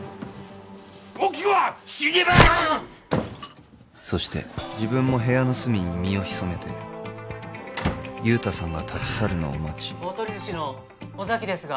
僕は死にまそして自分も部屋の隅に身を潜めて雄太さんが立ち去るのを待ち大酉寿司の尾崎ですが